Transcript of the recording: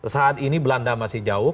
saat ini belanda masih jauh